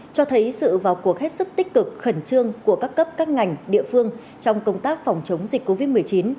cho thấy sự vào cuộc hết sức tích cực khẩn trương của các cấp các ngành địa phương trong công tác phòng chống dịch covid một mươi chín